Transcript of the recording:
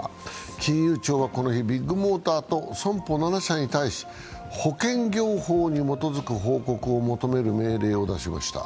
金融庁はこの日、ビッグモーターと損保７社に対し保険業法に基づく報告を求める命令を出しました。